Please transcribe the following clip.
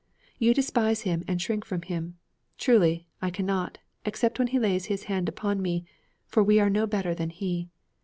You despise him and shrink from him. Truly, I cannot, except when he lays his hand upon me; for we are no better than he.